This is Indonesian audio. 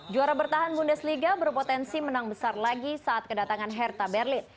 juara bertahan bundesliga berpotensi menang besar lagi saat kedatangan herta berlin